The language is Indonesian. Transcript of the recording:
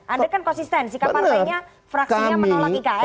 anda kan konsisten sikap partainya fraksinya menolak ikn